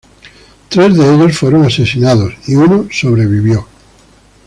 Tres de ellos fueron asesinados y uno sobrevivió.